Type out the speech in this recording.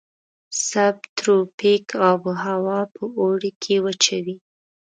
سب تروپیک آب هوا په اوړي کې وچه وي.